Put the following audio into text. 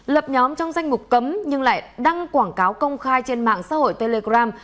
lập nhóm trong danh mục cấm nhưng lại đăng quảng cáo công khai trên mạng xã hội telegram